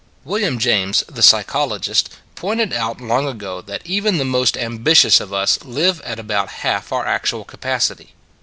William James, the psychologist, pointed out long ago that even the most ambitious of us live at about half our actual capacity.